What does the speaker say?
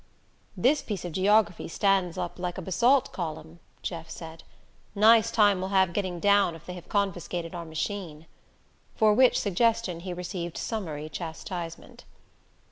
"This piece of geography stands up like a basalt column," Jeff said. "Nice time we'll have getting down if they have confiscated our machine!" For which suggestion he received summary chastisement.